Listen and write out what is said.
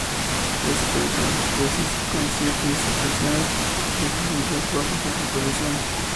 Fue supervisor de tesis, con siete disertaciones defendidas bajo su supervisión.